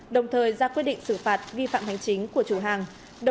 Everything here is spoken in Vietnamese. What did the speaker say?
đồng thời ra quyết định xử phạt vi phạm hành chính của chủ hàng